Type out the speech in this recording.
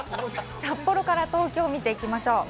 札幌から東京を見ていきましょう。